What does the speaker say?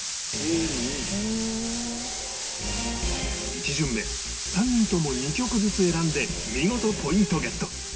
１巡目３人とも２曲ずつ選んで見事ポイントゲット